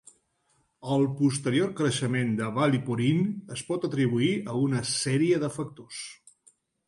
El posterior creixement de Ballyporeen es pot atribuir a una sèrie de factors.